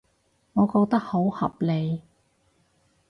我覺得好合理